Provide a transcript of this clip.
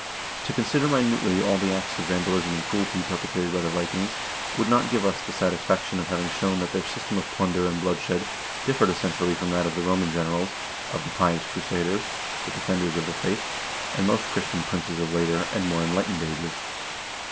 To consider minutely all the acts of vandalism and cruelty perpetrated by the Vikings would not even give us the satisfaction of having shown that their system of plunder and blood shed differed essentially from that of the Roman generals, of the pious crusaders, the defenders of the faith, and most Christian princes of later, and more enlightened, ages.